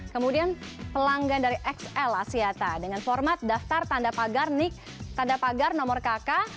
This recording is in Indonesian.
kemudian pelanggan dari xl asiata dengan format daftar tanda pagar nic tanda pagar nomor kk